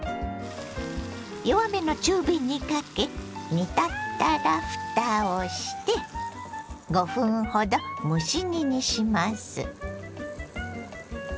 弱めの中火にかけ煮立ったらふたをして５分ほど蒸し煮にします。